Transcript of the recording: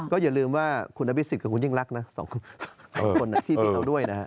ก็อย่าลืมว่าคุณอบิษฎกับคุณยังรักนะสองคนที่ตีเราด้วยนะ